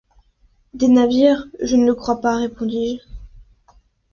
Des navires, je ne le crois pas, répondis-je.